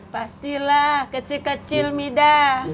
pastilah kecil kecil mida